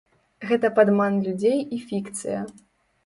Гэта падман людзей і фікцыя.